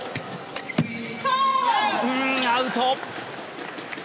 アウト。